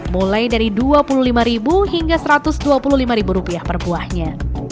mulai dari dua puluh lima hingga satu ratus dua puluh lima rupiah per buahnya